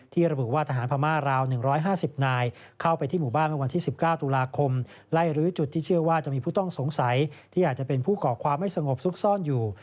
ระบุว่าทหารพม่าราว๑๕๐นายเข้าไปที่หมู่บ้านเมื่อวันที่๑๙ตุลาคมไล่รื้อจุดที่เชื่อว่าจะมีผู้ต้องสงสัยที่อาจจะเป็นผู้ก่อความไม่สงบซุกซ่อนอยู่